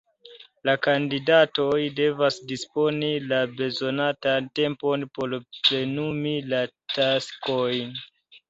La kandidatoj devas disponi la bezonatan tempon por plenumi la taskojn.